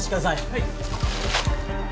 はい。